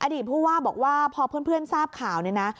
อดีตผู้ว่าบอกว่าพอเพื่อนเพื่อนทราบข่าวเนี้ยนะ